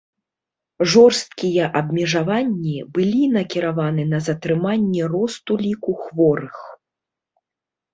Жорсткія абмежаванні былі накіраваны на затрыманне росту ліку хворых.